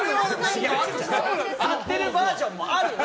立ってるバージョンもあるの！